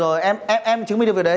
rồi rồi em chứng minh được việc đấy